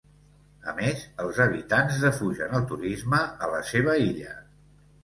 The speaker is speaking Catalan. A més, els habitants defugen el turisme a la seva illa.